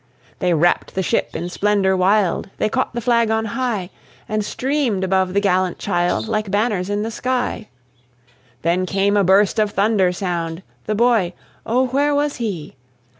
They wrapt the ship in splendour wild, They caught the flag on high, And streamed above the gallant child Like banners in the sky. Then came a burst of thunder sound The boy oh! where was he?